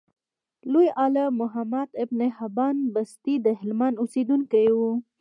لوی عالم محمد ابن حبان بستي دهلمند اوسیدونکی و.